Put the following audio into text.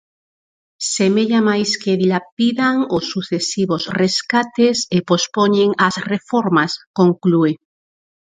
Semella máis que dilapidan os sucesivos rescates e pospoñen as reformas, conclúe.